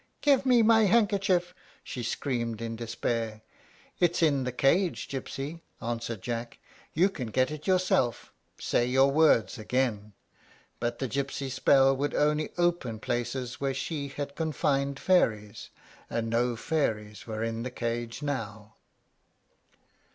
"Give me my handkerchief!" she screamed, in despair. "It's in the cage, gypsy," answered Jack; "you can get it yourself. Say your words again." But the gypsy's spell would only open places where she had confined fairies, and no fairies were in the cage now.